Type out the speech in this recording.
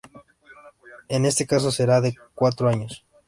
En este caso será de cuatro años.